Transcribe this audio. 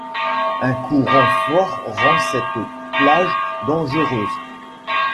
Un courant fort rend cette plage dangereuse.